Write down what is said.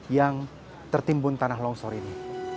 yang tertimbun tanah longsor ini